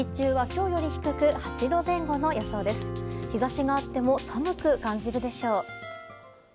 日差しがあっても寒く感じるでしょう。